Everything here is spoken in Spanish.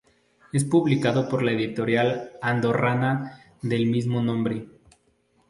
Es publicado por la editorial andorrana del mismo nombre.